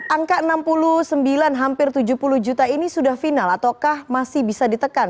angka enam puluh sembilan hampir tujuh puluh juta ini sudah final ataukah masih bisa ditekan